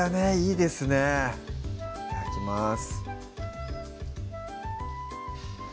いただきます